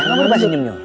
jangan lupa senyumnya